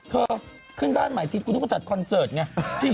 เธอขึ้นบ้านใหม่ชิดกูนึกว่าจัดคอนเซิร์ตไง